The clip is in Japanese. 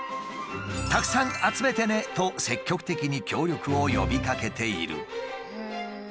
「たくさん集めてね！」と積極的に協力を呼びかけている。